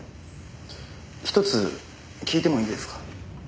ひとつ聞いてもいいですか？